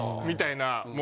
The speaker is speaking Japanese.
みたいな。